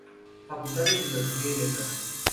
Facultad de Filosofía y Letras.